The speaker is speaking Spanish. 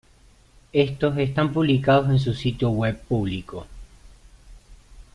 Estos están publicados en su sitio web público.